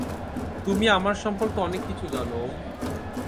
তুমি আমার সম্পর্কে অনেক কিছু জানো ওম।